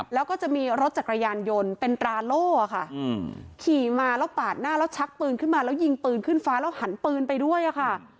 แล้วก็จะมีรถจักรยานยนต์เป็นตราโล่ค่ะขี่มาแล้วปาดหน้าแล้วชักปืนขึ้นมาแล้วยิงปืนขึ้นฟ้าแล้วหันปืนไปด้วยอะค่ะ